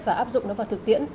và áp dụng nó vào thực tiễn